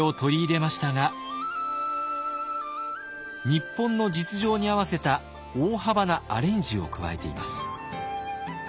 日本の実情に合わせた大幅なアレンジを加えています。